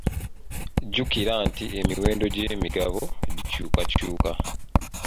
Jjukira nti emiwendo gy'emigabo gikyukakyuka.